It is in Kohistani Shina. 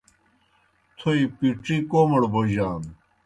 تھوئے پِڇِی کوْمَڑ بوجانو۔